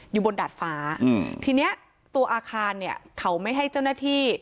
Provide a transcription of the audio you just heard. อยู่บนดาดฟ้าอืมทีเนี้ยตัวอาคารเนี่ยเขาไม่ให้เจ้าหน้าที่